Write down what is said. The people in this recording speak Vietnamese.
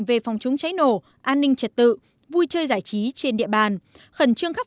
về phòng chống cháy nổ an ninh trật tự vui chơi giải trí trên địa bàn